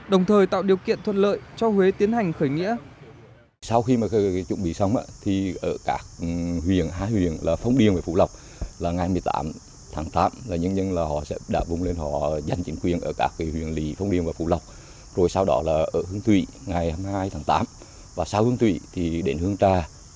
đồng thời tạo điều kiện thuận lợi cho huế tiến hành khởi nghĩa